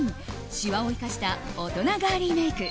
シワを生かした大人ガーリーメイク。